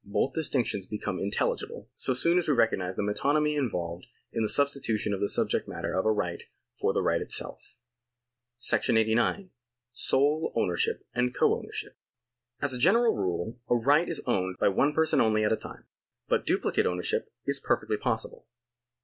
Both distinctions become intel ligible, so soon as we recognise the metonymy involved in the substitution of the subject matter of a right for the right itself.2 § 89. Sole Ownership and Co ownership. As a general rule a right is owned by one person only at a time, but duplicate ownership is perfectly possible.